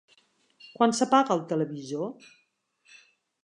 Quan s'apaga el televisor?